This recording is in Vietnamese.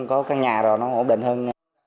có căn nhà rồi nó ổn định hơn